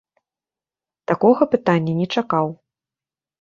Такога пытання не чакаў.